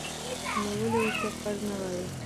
نو ولې ورته فرض نه وایو؟